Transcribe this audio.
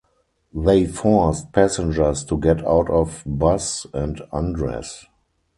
They forced passengers to get out of bus and undress.